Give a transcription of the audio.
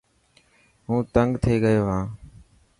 هون تنگ ٿييگيو هان.